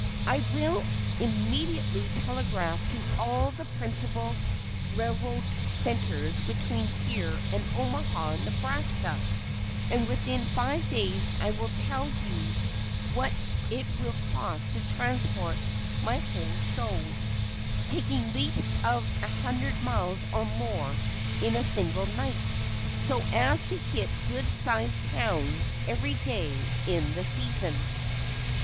I will immediately telegraph to all the principal railroad centres between here and Omaha, Nebraska, and within five days I will tell you what it will cost to transport my whole show, taking leaps of a hundred miles or more in a single night when necessary, so as to hit good sized towns every day in the season.